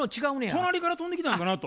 隣から飛んできたんかなと。